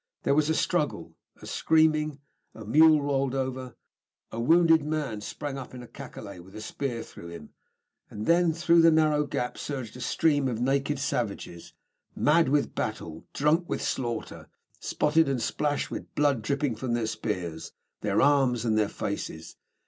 There was a Struggle, a screaming, a mule rolled over, a wounded man sprang up in a cacolet with a spear through him, and then through the narrow gap surged a stream of naked savages, mad with battle, drunk with slaughter, spotted and splashed with blood blood dripping from their spears, their arms, their faces.